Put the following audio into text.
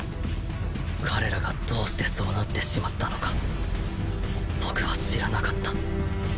彼らがどうしてそうなってしまったのか僕は知らなかった